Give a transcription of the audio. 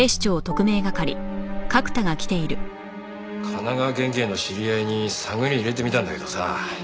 神奈川県警の知り合いに探り入れてみたんだけどさ